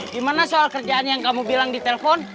gimana soal kerjaan yang kamu bilang di telpon